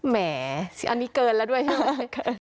แหมอันนี้เกินแล้วด้วยใช่ไหม